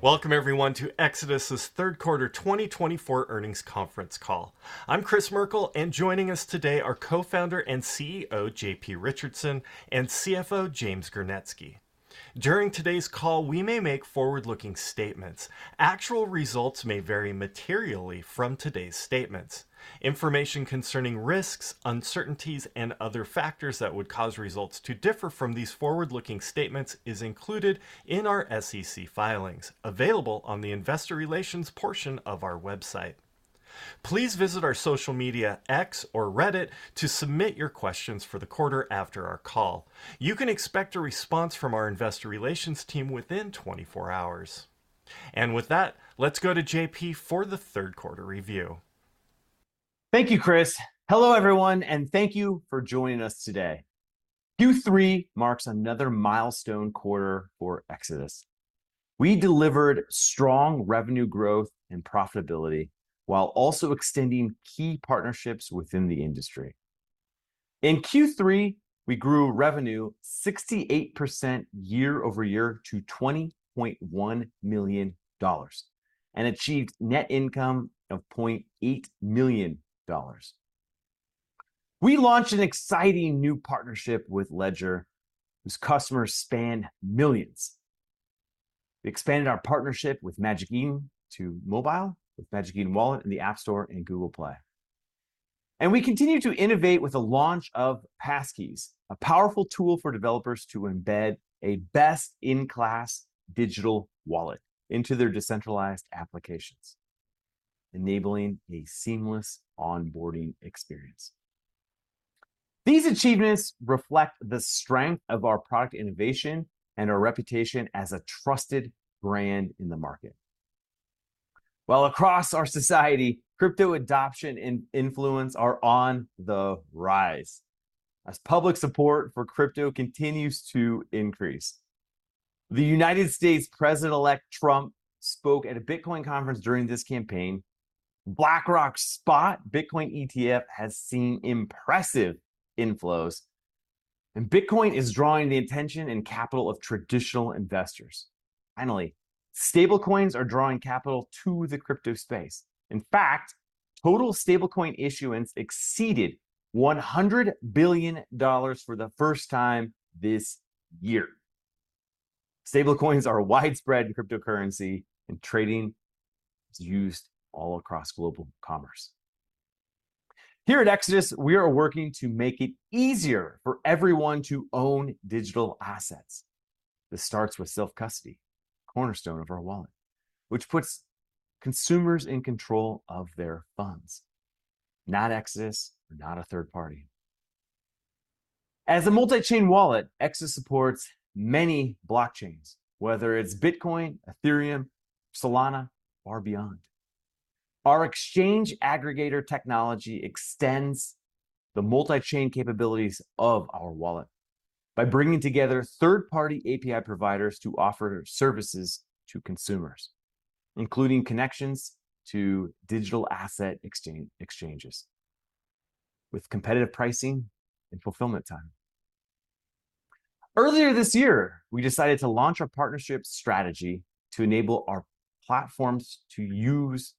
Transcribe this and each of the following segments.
Welcome, everyone, to Exodus' Third Quarter 2024 Earnings Conference Call. I'm Kris Merkel, and joining us today are co-founder and CEO JP Richardson and CFO James Gernetzke. During today's call, we may make forward-looking statements. Actual results may vary materially from today's statements. Information concerning risks, uncertainties, and other factors that would cause results to differ from these forward-looking statements is included in our SEC filings, available on the investor relations portion of our website. Please visit our social media, X or Reddit, to submit your questions for the quarter after our call. You can expect a response from our investor relations team within 24 hours. With that, let's go to JP for the third quarter review. Thank you, Kris. Hello, everyone, and thank you for joining us today. Q3 marks another milestone quarter for Exodus. We delivered strong revenue growth and profitability while also extending key partnerships within the industry. In Q3, we grew revenue 68% year over year to $20.1 million and achieved net income of $0.8 million. We launched an exciting new partnership with Ledger, whose customers span millions. We expanded our partnership with Magic Eden to mobile with Magic Eden Wallet in the App Store and Google Play, and we continue to innovate with the launch of Passkeys, a powerful tool for developers to embed a best-in-class digital wallet into their decentralized applications, enabling a seamless onboarding experience. These achievements reflect the strength of our product innovation and our reputation as a trusted brand in the market. While across our society, crypto adoption and influence are on the rise as public support for crypto continues to increase. The United States President-elect Trump spoke at a Bitcoin conference during this campaign. BlackRock's spot Bitcoin ETF has seen impressive inflows, and Bitcoin is drawing the attention and capital of traditional investors. Finally, stablecoins are drawing capital to the crypto space. In fact, total stablecoin issuance exceeded $100 billion for the first time this year. Stablecoins are a widespread cryptocurrency, and trading is used all across global commerce. Here at Exodus, we are working to make it easier for everyone to own digital assets. This starts with self-custody, a cornerstone of our wallet, which puts consumers in control of their funds. Not Exodus, not a third party. As a multi-chain wallet, Exodus supports many blockchains, whether it's Bitcoin, Ethereum, Solana, or beyond. Our exchange aggregator technology extends the multi-chain capabilities of our wallet by bringing together third-party API providers to offer services to consumers, including connections to digital asset exchanges with competitive pricing and fulfillment time. Earlier this year, we decided to launch a partnership strategy to enable our platforms to use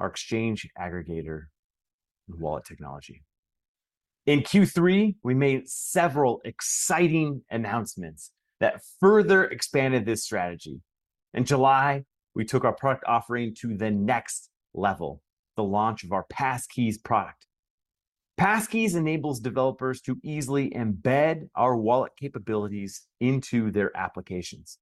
our exchange aggregator and wallet technology. In Q3, we made several exciting announcements that further expanded this strategy. In July, we took our product offering to the next level, the launch of our Passkeys product. Passkeys enables developers to easily embed our wallet capabilities into their applications.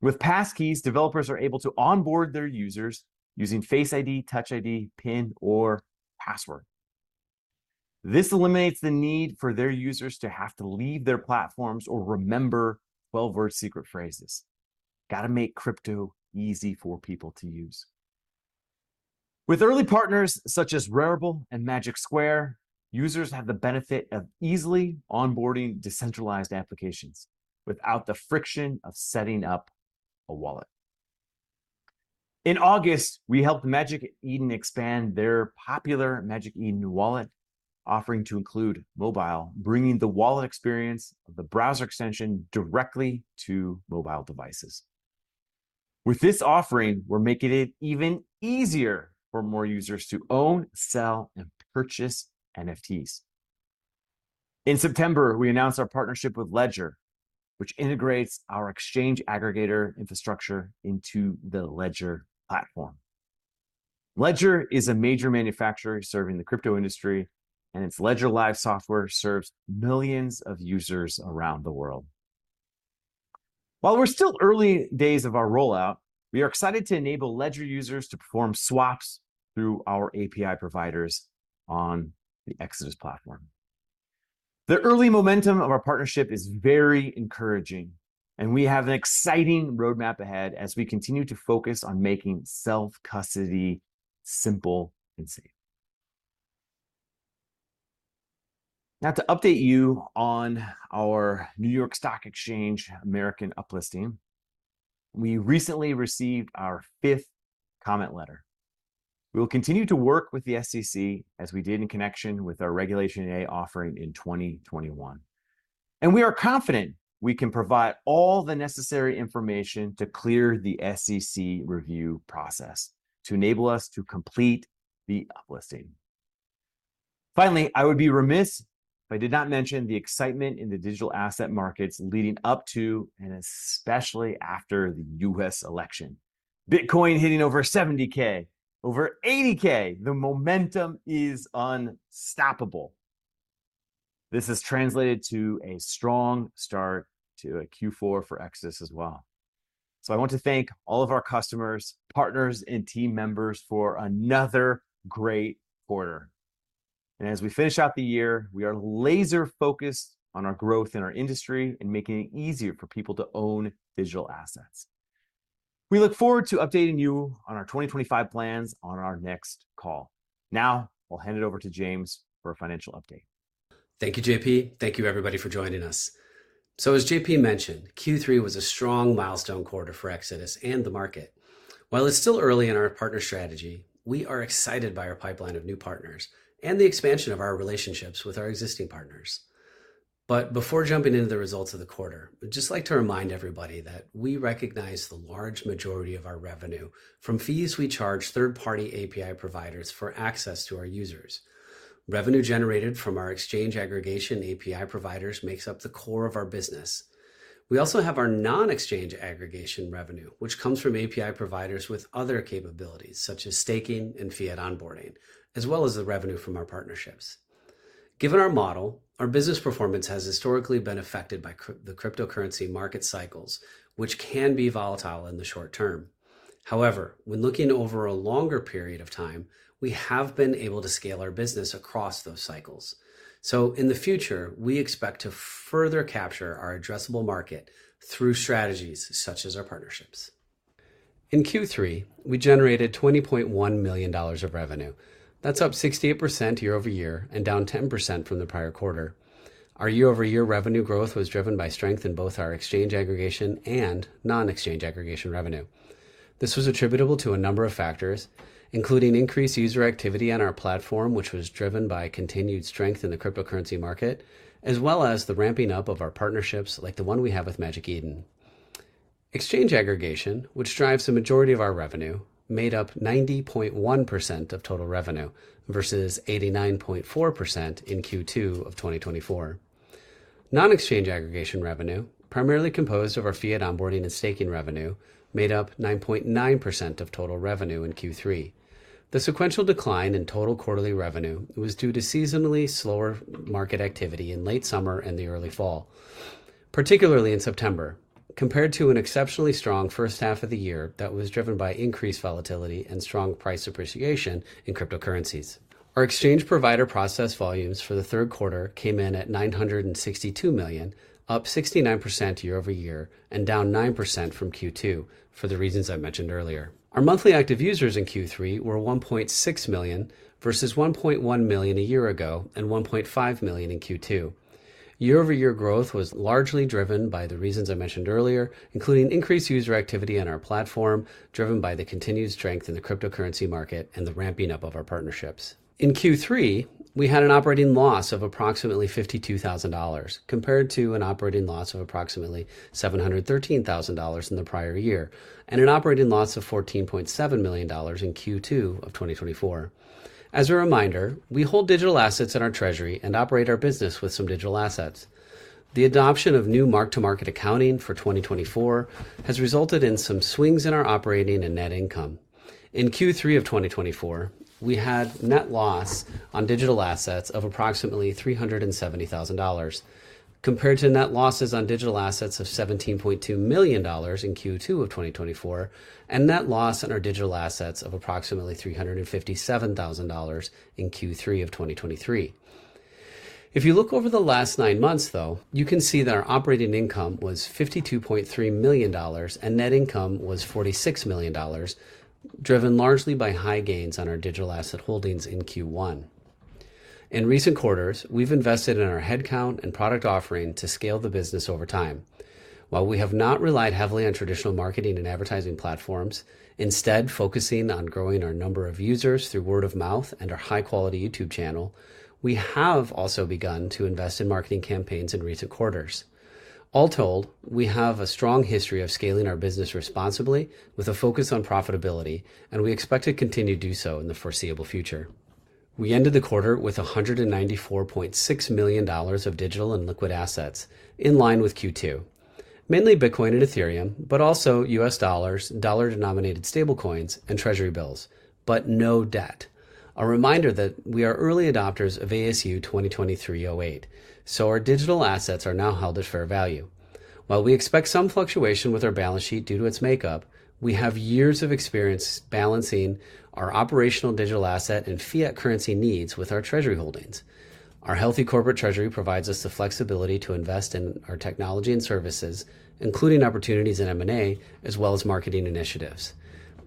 With Passkeys, developers are able to onboard their users using Face ID, Touch ID, PIN, or password. This eliminates the need for their users to have to leave their platforms or remember 12-word secret phrases. Got to make crypto easy for people to use. With early partners such as Rarible and Magic Square, users have the benefit of easily onboarding decentralized applications without the friction of setting up a wallet. In August, we helped Magic Eden expand their popular Magic Eden Wallet, offering to include mobile, bringing the wallet experience of the browser extension directly to mobile devices. With this offering, we're making it even easier for more users to own, sell, and purchase NFTs. In September, we announced our partnership with Ledger, which integrates our exchange aggregator infrastructure into the Ledger platform. Ledger is a major manufacturer serving the crypto industry, and its Ledger Live software serves millions of users around the world. While we're still early days of our rollout, we are excited to enable Ledger users to perform swaps through our API providers on the Exodus platform. The early momentum of our partnership is very encouraging, and we have an exciting roadmap ahead as we continue to focus on making self-custody simple and safe. Now, to update you on our New York Stock Exchange American uplisting, we recently received our fifth comment letter. We will continue to work with the SEC as we did in connection with our Regulation A offering in 2021, and we are confident we can provide all the necessary information to clear the SEC review process to enable us to complete the uplisting. Finally, I would be remiss if I did not mention the excitement in the digital asset markets leading up to, and especially after, the U.S. election. Bitcoin hitting over $70,000, over $80,000. The momentum is unstoppable. This has translated to a strong start to Q4 for Exodus as well. So I want to thank all of our customers, partners, and team members for another great quarter. And as we finish out the year, we are laser-focused on our growth in our industry and making it easier for people to own digital assets. We look forward to updating you on our 2025 plans on our next call. Now, I'll hand it over to James for a financial update. Thank you, JP. Thank you, everybody, for joining us. So, as JP mentioned, Q3 was a strong milestone quarter for Exodus and the market. While it's still early in our partner strategy, we are excited by our pipeline of new partners and the expansion of our relationships with our existing partners. But before jumping into the results of the quarter, I'd just like to remind everybody that we recognize the large majority of our revenue from fees we charge third-party API providers for access to our users. Revenue generated from our exchange aggregation API providers makes up the core of our business. We also have our non-exchange aggregation revenue, which comes from API providers with other capabilities, such as staking and fiat onboarding, as well as the revenue from our partnerships. Given our model, our business performance has historically been affected by the cryptocurrency market cycles, which can be volatile in the short term. However, when looking over a longer period of time, we have been able to scale our business across those cycles. So, in the future, we expect to further capture our addressable market through strategies such as our partnerships. In Q3, we generated $20.1 million of revenue. That's up 68% year over year and down 10% from the prior quarter. Our year-over-year revenue growth was driven by strength in both our exchange aggregation and non-exchange aggregation revenue. This was attributable to a number of factors, including increased user activity on our platform, which was driven by continued strength in the cryptocurrency market, as well as the ramping up of our partnerships, like the one we have with Magic Eden. Exchange aggregation, which drives the majority of our revenue, made up 90.1% of total revenue versus 89.4% in Q2 of 2024. Non-exchange aggregation revenue, primarily composed of our fiat onboarding and staking revenue, made up 9.9% of total revenue in Q3. The sequential decline in total quarterly revenue was due to seasonally slower market activity in late summer and the early fall, particularly in September, compared to an exceptionally strong first half of the year that was driven by increased volatility and strong price appreciation in cryptocurrencies. Our exchange provider processed volumes for the third quarter came in at 962 million, up 69% year over year and down 9% from Q2 for the reasons I mentioned earlier. Our monthly active users in Q3 were 1.6 million versus 1.1 million a year ago and 1.5 million in Q2. Year-over-year growth was largely driven by the reasons I mentioned earlier, including increased user activity on our platform driven by the continued strength in the cryptocurrency market and the ramping up of our partnerships. In Q3, we had an operating loss of approximately $52,000 compared to an operating loss of approximately $713,000 in the prior year and an operating loss of $14.7 million in Q2 of 2024. As a reminder, we hold digital assets in our treasury and operate our business with some digital assets. The adoption of new mark-to-market accounting for 2024 has resulted in some swings in our operating and net income. In Q3 of 2024, we had net loss on digital assets of approximately $370,000 compared to net losses on digital assets of $17.2 million in Q2 of 2024 and net loss on our digital assets of approximately $357,000 in Q3 of 2023. If you look over the last nine months, though, you can see that our operating income was $52.3 million and net income was $46 million, driven largely by high gains on our digital asset holdings in Q1. In recent quarters, we've invested in our headcount and product offering to scale the business over time. While we have not relied heavily on traditional marketing and advertising platforms, instead focusing on growing our number of users through word of mouth and our high-quality YouTube channel, we have also begun to invest in marketing campaigns in recent quarters. All told, we have a strong history of scaling our business responsibly with a focus on profitability, and we expect to continue to do so in the foreseeable future. We ended the quarter with $194.6 million of digital and liquid assets in line with Q2, mainly Bitcoin and Ethereum, but also U.S. dollars, dollar-denominated stablecoins, and treasury bills, but no debt. A reminder that we are early adopters of ASU 2023-08, so our digital assets are now held at fair value. While we expect some fluctuation with our balance sheet due to its makeup, we have years of experience balancing our operational digital asset and fiat currency needs with our treasury holdings. Our healthy corporate treasury provides us the flexibility to invest in our technology and services, including opportunities in M&A as well as marketing initiatives.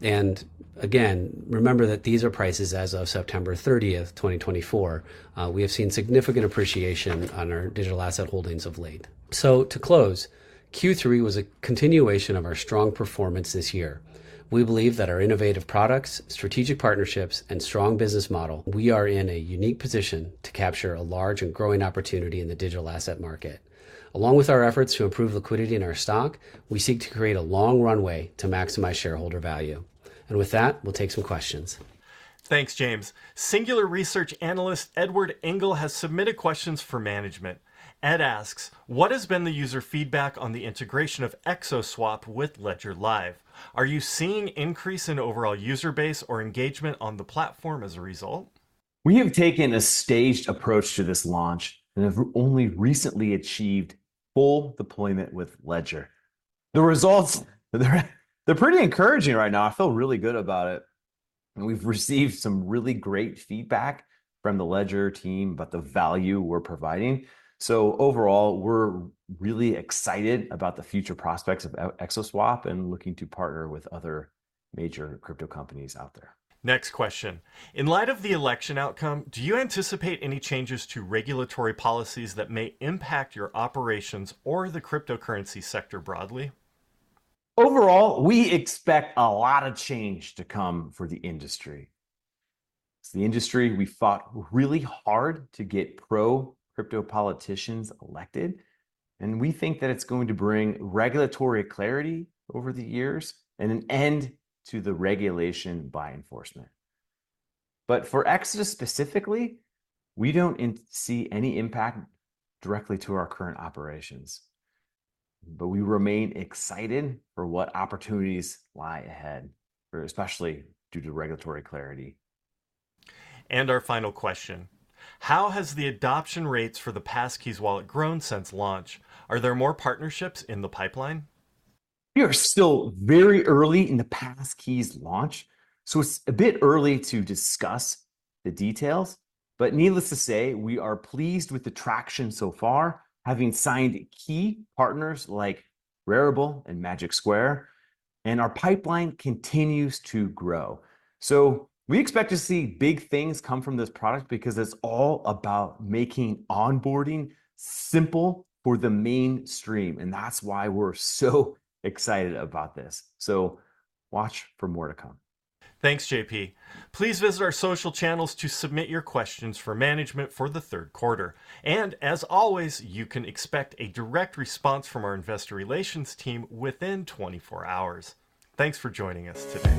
And again, remember that these are prices as of September 30th, 2024. We have seen significant appreciation on our digital asset holdings of late. So, to close, Q3 was a continuation of our strong performance this year. We believe that our innovative products, strategic partnerships, and strong business model. We are in a unique position to capture a large and growing opportunity in the digital asset market. Along with our efforts to improve liquidity in our stock, we seek to create a long runway to maximize shareholder value, and with that, we'll take some questions. Thanks, James. Singular Research Analyst Edward Engel has submitted questions for management. Ed asks, "What has been the user feedback on the integration of XO Swap with Ledger Live? Are you seeing an increase in overall user base or engagement on the platform as a result? We have taken a staged approach to this launch and have only recently achieved full deployment with Ledger. The results, they're pretty encouraging right now. I feel really good about it, and we've received some really great feedback from the Ledger team about the value we're providing, so overall, we're really excited about the future prospects of XO Swap and looking to partner with other major crypto companies out there. Next question. In light of the election outcome, do you anticipate any changes to regulatory policies that may impact your operations or the cryptocurrency sector broadly? Overall, we expect a lot of change to come for the industry. It's the industry we fought really hard to get pro-crypto politicians elected, and we think that it's going to bring regulatory clarity over the years and an end to the regulation by enforcement, but for Exodus specifically, we don't see any impact directly to our current operations, but we remain excited for what opportunities lie ahead, especially due to regulatory clarity. Our final question. How has the adoption rates for the Passkeys Wallet grown since launch? Are there more partnerships in the pipeline? We are still very early in the Passkeys launch, so it's a bit early to discuss the details, but needless to say, we are pleased with the traction so far, having signed key partners like Rarible and Magic Square, and our pipeline continues to grow, so we expect to see big things come from this product because it's all about making onboarding simple for the mainstream, and that's why we're so excited about this, so watch for more to come. Thanks, JP. Please visit our social channels to submit your questions for management for the third quarter, and as always, you can expect a direct response from our investor relations team within 24 hours. Thanks for joining us today.